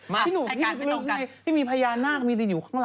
มีพยานาคอิมีความรู้สึกอยู่ข้างหลัง